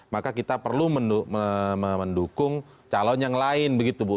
maka kita perlu mendukung calon yang lain begitu bu